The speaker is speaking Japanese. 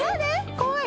怖い！